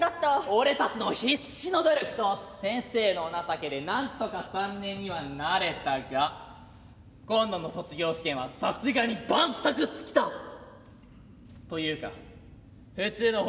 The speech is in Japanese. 「俺たちの必死の努力と先生のお情けでなんとか３年にはなれたが今度の卒業試験はさすがに万策尽きた！というか普通の方法では合格はまず無理だ」。